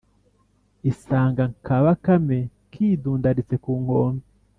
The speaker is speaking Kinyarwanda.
isanga ka Bakarne kidundaritse ku nkombe